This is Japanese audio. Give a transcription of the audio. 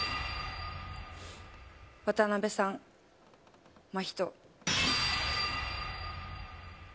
渡辺さん、真人。